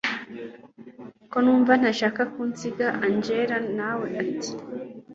ko numva ntashaka ko unsiga angella nawe ati